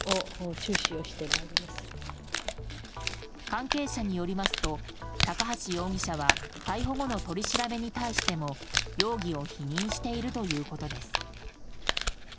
関係者によりますと高橋容疑者は逮捕後の取り調べに対しても容疑を否認しているということです。